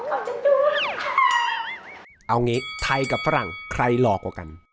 เอาอย่างนี้ไทยกับฝรั่งใครรอกกว่ากัน